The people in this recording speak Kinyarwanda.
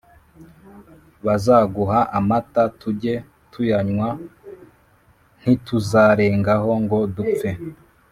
bazaguha amata tujye tuyanywa ntituzarengaho ngo dupfe,